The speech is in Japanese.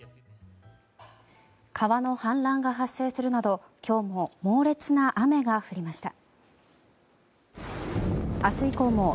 川の氾濫が発生するなど今日も猛烈な雨が降りました。